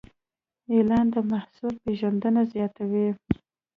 اعلان د محصول پیژندنه زیاتوي.